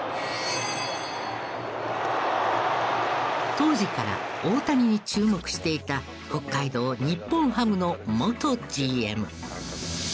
当時から大谷に注目していた北海道日本ハムの元ＧＭ。